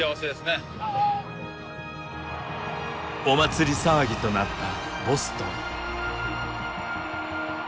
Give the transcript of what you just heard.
お祭り騒ぎとなったボストン。